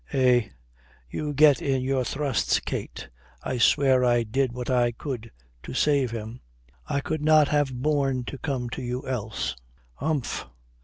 "Eh, you get in your thrusts, Kate, I swear I did what I could to save him." "I could not have borne to come to you else." "Humph.